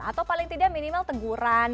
atau paling tidak minimal teguran